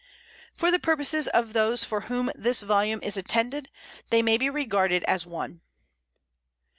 For the purposes of those for whom this volume is intended they may be regarded as one.